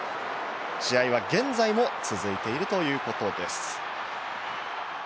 試合は現在も続いているということです。